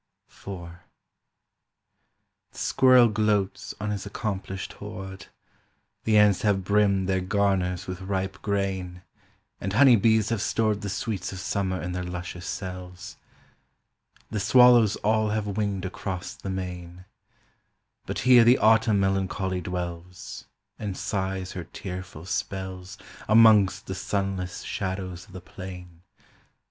The squirrel gloats on his accomplish'd hoard, The ants have brimm'd their garners with ripe grain, And honey been save stored The sweets of summer in their luscious cells; The swallows all have wing'd across the main; But here the Autumn melancholy dwells, And sighs her tearful spells Amongst the sunless shadows of the plain.